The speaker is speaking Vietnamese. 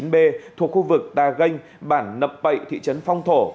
tỉnh lộ một trăm hai mươi chín b thuộc khu vực đà ganh bản nập bậy thị trấn phong thổ